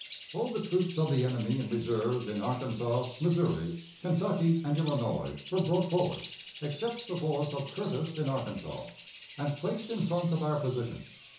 All the troops of the enemy in reserve in Arkansas, Missouri, Kentucky, and Illinois were brought forward, except the force of Curtis, in Arkansas, and placed in front of our position.